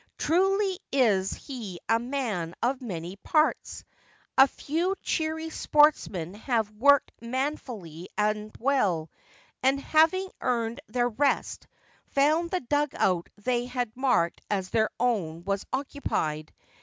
Truly is he a man of many parts. A few cheery sportsmen having worked manfully and well, and having earned their rest, found the dug out they had marked as their own was occupied.